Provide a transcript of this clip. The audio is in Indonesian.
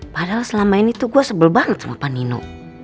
padahal selama ini tuh gue sebel banget sama pak nino